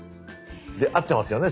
で合ってますよね？